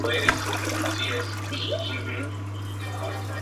Sonny no tiene ningún rencor hacia ti".